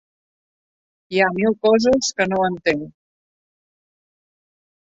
Hi ha mil coses que no entenc.